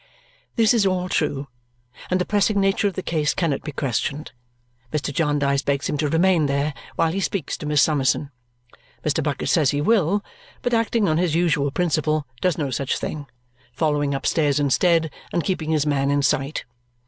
This is all true, and the pressing nature of the case cannot be questioned. Mr. Jarndyce begs him to remain there while he speaks to Miss Summerson. Mr. Bucket says he will, but acting on his usual principle, does no such thing, following upstairs instead and keeping his man in sight.